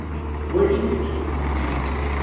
Wali kečč.